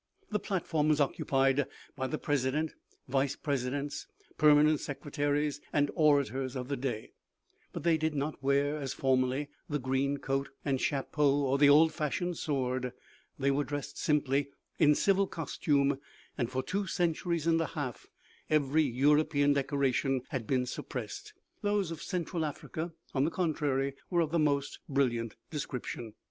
The plat form was occupied by the president, vice presidents, permanent secretaries and orators of the day, but they did not wear, as formerly, the green coat and chapeau or the old fashioned sword, they were dressed simply in civil costume, and for two centuries and a half every European decoration had been suppressed ; those of central Africa, on the contrary, were of the most brilliant description.